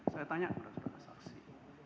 saya tanya kepada saudara saksi